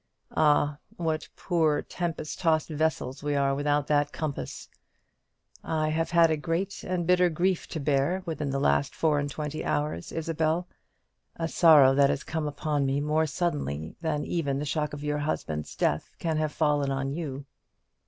Ah, what poor tempest tossed vessels we are without that compass! I have had a great and bitter grief to bear within the last four and twenty hours, Isabel; a sorrow that has come upon me more suddenly than even the shock of your husband's death can have fallen on you."